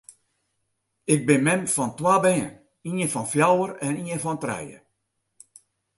Ik bin mem fan twa bern, ien fan fjouwer en ien fan trije.